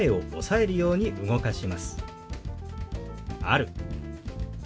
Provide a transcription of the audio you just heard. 「ある」。